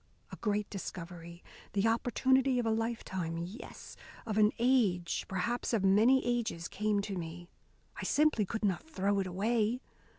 A great discovery, the opportunity of a lifetime, yes, of an age, perhaps of many ages, came to me. I simply could not throw it away.